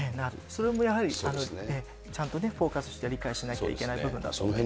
それもやはりちゃんとフォーカスして、理解しなきゃいけない部分だと思います。